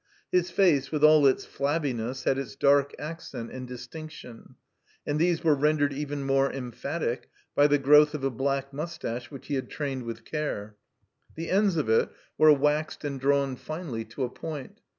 His face, with all its flabbiness, had its dark accent and dis tinction; and these were rendered even more em phatic by the growth of a black mustache which he had trained with care. The ends of it were waxed and drawn finely to a point.